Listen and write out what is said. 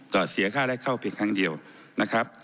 แต่เสียค่าแรกเข้าเพียงครั้งเดียวนะครับ